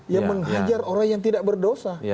yang menghajar orang yang tidak berdosa